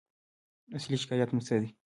اصلي شکایت مو څه دی؟